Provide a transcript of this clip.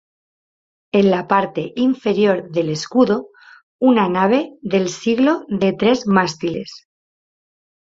En la parte inferior del escudo, una nave del siglo de tres mástiles.